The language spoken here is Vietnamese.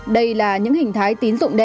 đây là những hình thái tín dụng đen